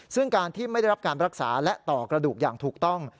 ซึ่งการที่ไม่ได้รับการรักษาและต่อกระดูกอย่างถูกต้อง